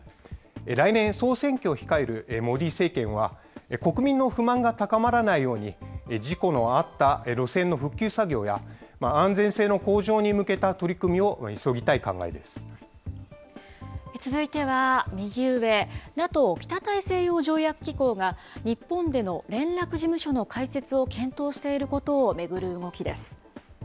来年、総選挙を控えるモディ政権は、国民の不満が高まらないように、事故のあった路線の復旧作業や、安全性の向上に向けた取り組みを続いては右上、ＮＡＴＯ・北大西洋条約機構が、日本での連絡事務所の開設を検討していることを巡る動きです。